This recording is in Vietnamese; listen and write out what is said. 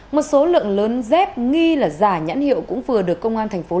một số lượng lớn dép nghi là giả nhãn hiệu cũng vừa được công an tp longkong